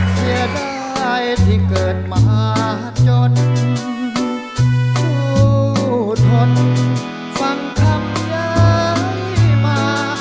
เชื่อดายที่เกิดมาจนกูทนฟังคำใหญ่มา